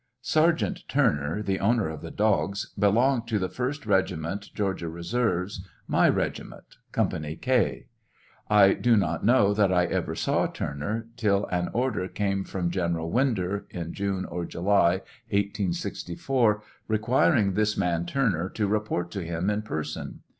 Sergeant Turner, the owner of the dogs, belonged to the Jst regiment Georgia reserves, my regiment, company K. I do not know that I ever saw Turner till an order came from Gen eral Winder, in June or July, 1864, requiring this man Turner to report to him in person.